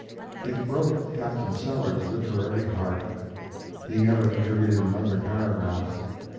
It broke Captain Sellers's literary heart. He never contributed another paragraph.